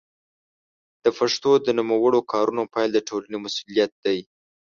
د پښتو د نوموړو کارونو پيل د ټولنې مسوولیت دی.